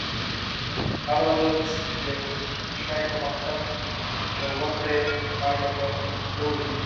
هره ورځ یو کوچنی پرمختګ که وکړې، پایله به لویه وي.